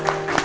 oh siapa ini